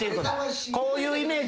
こういうイメージ。